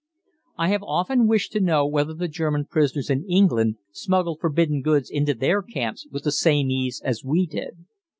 I have often wished to know whether the German prisoners in England smuggled forbidden goods into their camps with the same ease as we did.